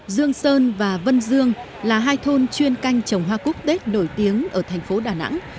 dương sơn và vân dương là hai thôn chuyên canh trồng hoa cúc tết nổi tiếng ở thành phố đà nẵng